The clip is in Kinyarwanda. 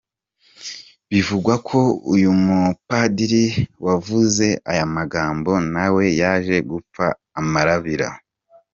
Bivugwa ko uyu mupadiri wavuze aya magambo, na we yaje gupfa amarabira.